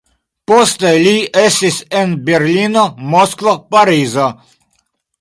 Poste li estis en Berlino, Moskvo, Parizo.